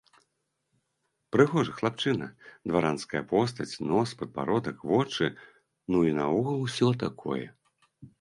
Прыгожы хлапчына, дваранская постаць, нос, падбародак, вочы, ну, і наогул усё такое!